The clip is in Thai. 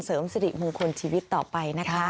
เสริมสิริมงคลชีวิตต่อไปนะคะ